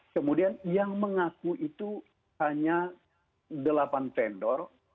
kemudian yang mengaku itu hanya delapan vendor